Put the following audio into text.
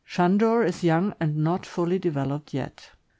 Sandor is young and not fully developed yet.